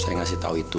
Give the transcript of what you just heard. saya ngasih tau itu